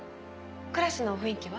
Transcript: クラスの雰囲気は？